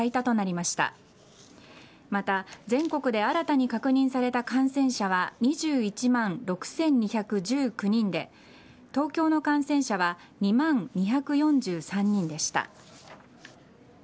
また、全国で新たに確認された感染者は２１万６２１９人で東京の感染者は２万２４３人でした。